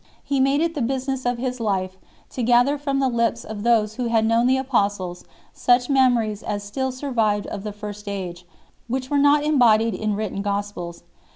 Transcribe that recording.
He made it the business of his life to gather from the lips of those who had known the Apostles such memories as still sur vived of the first age, which were not embodied in written gospels.